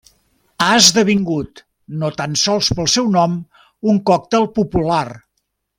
Ha esdevingut, no tan sols pel seu nom, un còctel popular.